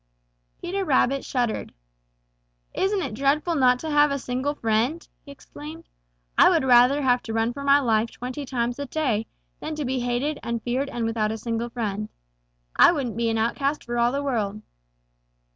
Peter Rabbit shuddered. "Isn't it dreadful not to have a single friend?" he exclaimed. "I would rather have to run for my life twenty times a day than to be hated and feared and without a single friend. I wouldn't be an outcast for all the world."